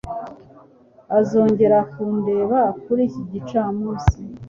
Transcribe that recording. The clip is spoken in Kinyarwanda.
Azongera kundeba kuri iki gicamunsi.